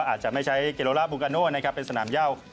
อาจจะไม่ใช่เกโลล่าบุงกานโนเป็นสนามย่าว